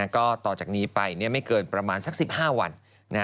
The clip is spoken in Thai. ก็ต่อจากนี้ไปไม่เกินประมาณสัก๑๕วัน